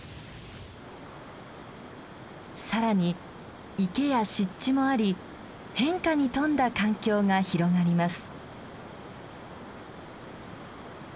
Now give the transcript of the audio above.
更に池や湿地もあり変化に富んだ環境が広がります。